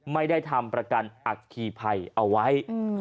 ไม่ได้ทำประกันอัคคีภัยเอาไว้